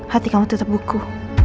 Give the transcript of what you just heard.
hati kamu tetap buku